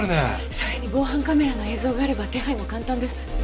それに防犯カメラの映像があれば手配も簡単です。